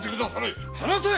離せ！